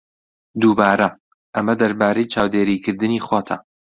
دووبارە، ئەمە دەربارەی چاودێریکردنی خۆتە.